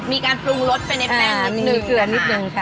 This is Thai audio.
มีการปรุงรสไปในแปลงนิดนึงเกลือนิดนึงค่ะ